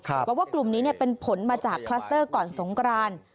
บอกว่ากลุ่มนี้เป็นผลมาจากคลัสเตอร์ก่อนสงกราน